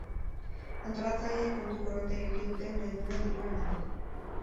Antolatzaileek kontu korrontea ireki dute nahi duenak dirua emateko.